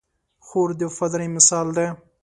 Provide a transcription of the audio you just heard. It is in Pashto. خور د وفادارۍ مثال ده.